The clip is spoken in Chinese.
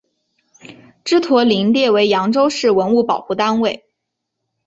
祗陀林列为扬州市文物保护单位。